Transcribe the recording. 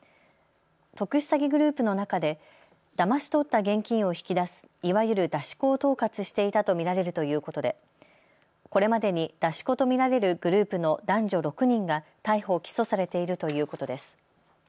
特殊詐欺グループの中でだまし取った現金を引き出すいわゆる出し子を統括していたと見られるということでこれまでに出し子と見られるグループの男女６人が逮捕・起訴されているということです。